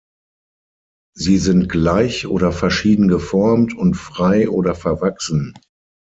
Sie sind gleich oder verschieden geformt und frei oder verwachsen.